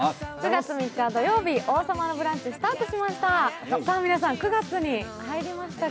９月３日土曜日、「王様のブランチ」スタートしました。